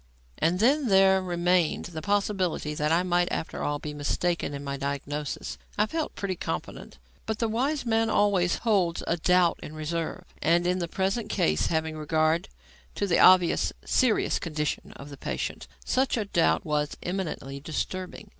And then there remained the possibility that I might, after all, be mistaken in my diagnosis. I felt pretty confident. But the wise man always holds a doubt in reserve. And, in the present case, having regard to the obviously serious condition of the patient, such a doubt was eminently disturbing.